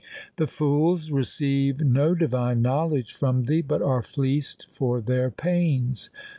The fools receive no divine knowledge from thee, but are fleeced for their pains.